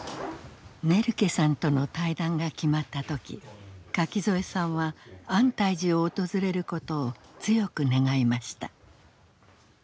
ネルケさんとの対談が決まった時垣添さんは安泰寺を訪れることを強く願いました。